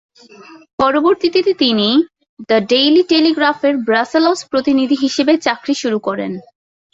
পরবর্তীতে তিনি "the daily টেলিগ্রাফের" ব্রাসেলস প্রতিনিধি হিসেবে চাকরি শুরু করেন।